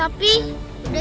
aku mau lihat